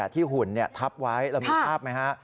ที่หุ่นนี้ทับไว้เราเห็นภาพมึงคะ